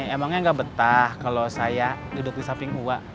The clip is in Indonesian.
emangnya nggak betah kalau saya hidup di samping uak